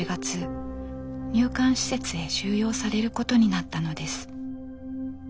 入管施設へ収容されることになったのです。